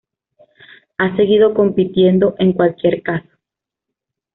Ha seguido compitiendo en cualquier caso.